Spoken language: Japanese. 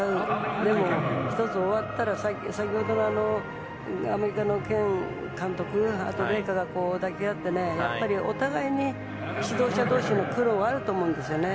でも、１つ終わったら先ほどのアメリカのケン監督と麗華が抱き合ってお互いに指導者同士の苦労があると思うんですよね。